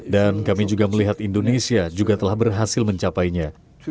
dan kami juga melihat indonesia juga telah berhasil mencapainya